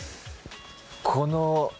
この。